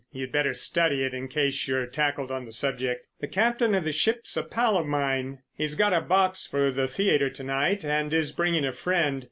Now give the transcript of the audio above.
You'd better study it in case you're tackled on the subject. The captain of the ship's a pal of mine. He's got a box for the theatre to night, and is bringing a friend.